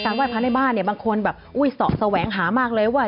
การไหว้พระในบ้านบางคนสอสแหวงหามากเลยว่า